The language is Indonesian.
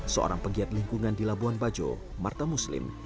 seorang penggiat lingkungan di labuan bajo marta muslim